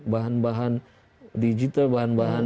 bahan bahan digital bahan bahan